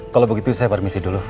kalau begitu saya permisi dulu